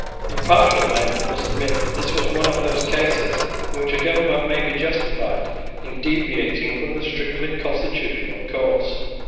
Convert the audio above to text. Impartial men must admit that this was one of those cases in which a government may be justified in deviating from the strictly constitutional course.